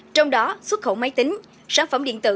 trong đó xuất khẩu máy tính sản phẩm điện tử